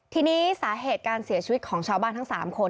ทีนี้สาเหตุการเสียชีวิตของชาวบ้านทั้ง๓คน